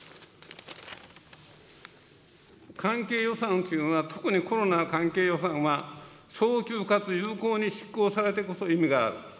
関係予算というのは、特にコロナの関係予算は、早急かつ有効に執行されてこそ意味がある。